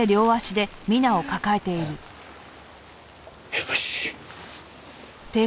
よし。